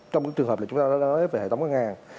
trong cái trường hợp là chúng ta đã nói về hệ thống ngân hàng